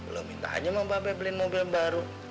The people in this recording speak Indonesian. lo minta aja mbak be beliin mobil baru